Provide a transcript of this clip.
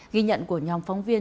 ghi nhận của nhóm phóng viên